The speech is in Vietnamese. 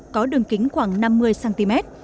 có đường kính khoảng năm mươi cm